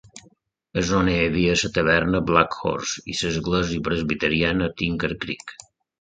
És on hi havia la taverna Black Horse i l'església presbiteriana Tinker Creek.